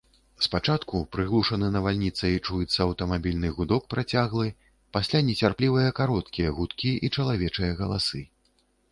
Спачатку, прыглушаны навальніцай, чуецца аўтамабільны гудок працяглы, пасля нецярплівыя кароткія гудкі і чалавечыя галасы.